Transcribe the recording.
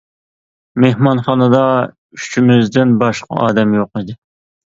مېھمانخانىدا ئۈچىمىزدىن باشقا ئادەم يوق ئىدى.